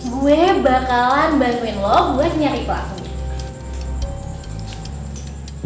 gue bakalan bantuin lo buat nyari pelaku